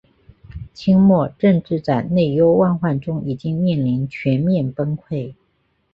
清末政治在内忧外患中已经面临全面崩溃。